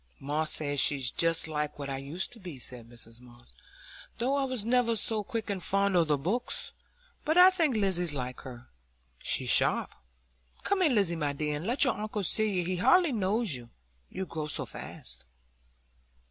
"Moss says she's just like what I used to be," said Mrs Moss, "though I was never so quick and fond o' the books. But I think my Lizzy's like her; she's sharp. Come here, Lizzy, my dear, and let your uncle see you; he hardly knows you, you grow so fast."